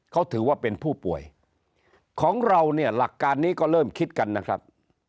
เขาถือว่าเป็นผู้ป่วยของเราเนี่ยหลักการนี้ก็เริ่มคิดกันนะครับ